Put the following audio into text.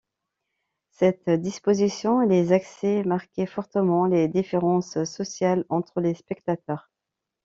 Cette disposition et les accès marquaient fortement les différences sociales entre les spectateurs.